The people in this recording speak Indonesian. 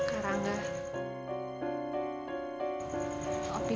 apa ini ruga bayi